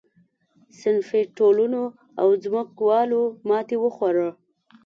صنفي ټولنو او ځمکوالو ماتې وخوړه.